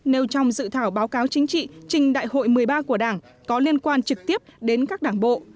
nêu trong dự thảo báo cáo chính trị trình đại hội một mươi ba của đảng có liên quan trực tiếp đến các đảng bộ